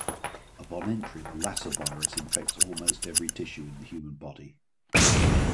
Upon entry, the Lassa virus infects almost every tissue in the human body.